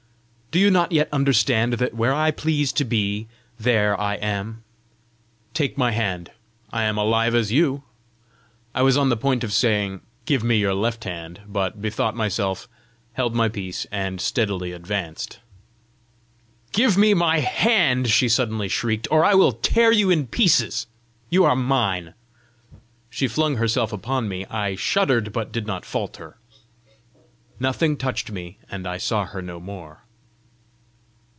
Do you not yet understand that where I please to be, there I am? Take my hand: I am alive as you!" I was on the point of saying, "Give me your left hand," but bethought myself, held my peace, and steadily advanced. "Give me my hand," she suddenly shrieked, "or I will tear you in pieces: you are mine!" She flung herself upon me. I shuddered, but did not falter. Nothing touched me, and I saw her no more.